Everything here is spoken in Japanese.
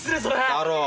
だろう？